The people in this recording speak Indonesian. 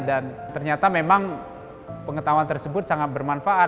dan ternyata memang pengetahuan tersebut sangat bermanfaat